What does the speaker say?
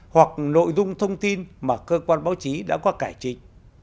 hoặc nội dung thông tin mà cơ quan báo chí đã qua cải trích